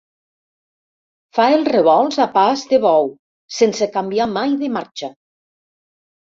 Fa els revolts a pas de bou, sense canviar mai de marxa.